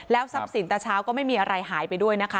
แล้วทราบศีลตะเช้าก็ไม่มีอะไรหายไปด้วยนะคะ